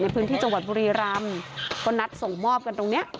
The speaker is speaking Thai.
ในพื้นที่จังหวัดบุรีรำก็นัดส่งมอบกันตรงเนี้ย